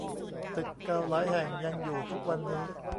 ตึกเก่าหลายแห่งยังอยู่ทุกวันนี้